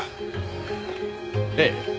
ええ。